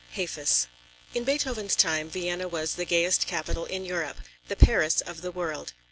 HAFIZ. In Beethoven's time, Vienna was the gayest capital in Europe, the Paris of the world.